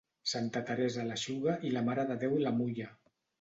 Santa Teresa l'eixuga i la Mare de Déu la mulla.